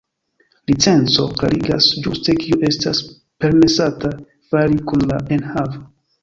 Licenco klarigas ĝuste kio estas permesata fari kun la enhavo.